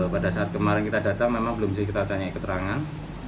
pada saat kemarin kita data memang belum kita tanya keterangan